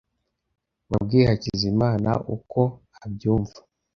Wabwiye Hakizimana uko ubyumva?